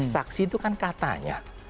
saksi itu kan katanya